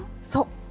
そう。